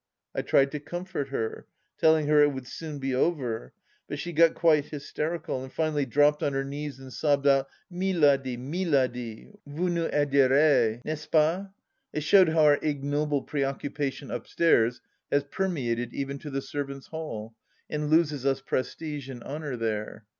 I tried to comfort her, telling her it would soon be over, but she got quite hysterical, and finally dropped on her knees and sobbed out :" Miladi, Miladi, vous nous aiderez, n'est ce pas ?" It showed how our ignoble preoccupation upstairs has permeated even to the servants' hall, and loses us prestige and honour there